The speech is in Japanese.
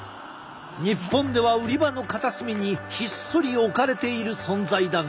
日本では売り場の片隅にひっそり置かれている存在だが。